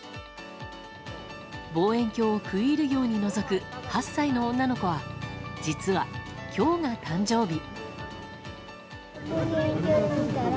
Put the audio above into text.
望遠鏡を食い入るようにのぞく８歳の女の子は実は、今日が誕生日。